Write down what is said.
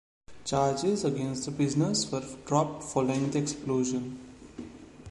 Charges against the prisoners were dropped following the explosion.